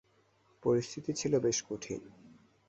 পরিস্থিতি ছিল বেশ কঠিন।